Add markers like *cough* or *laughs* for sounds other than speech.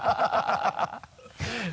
ハハハ *laughs*